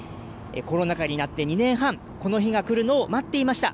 コロナ禍になって２年半、この日が来るのを待っていました。